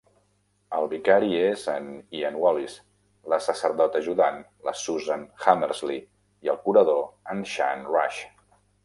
El vicari és en Ian Wallis, la sacerdot ajudant, la Susan Hammersley i el curador, en Shan Rush.